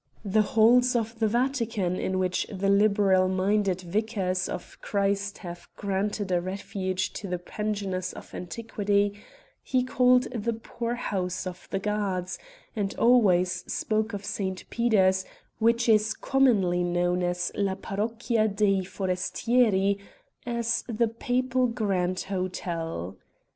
The halls of the Vatican in which the liberal minded Vicars of Christ have granted a refuge to the pensioners of antiquity, he called the Poor house of the gods; and always spoke of St. Peter's, which is commonly known as la Parocchia dei Forestieri, as the Papal Grand Hotel.